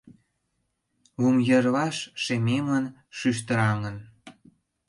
Лум йырваш шемемын, шӱштыраҥын.